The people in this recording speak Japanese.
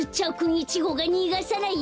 １ごうがにがさないよ！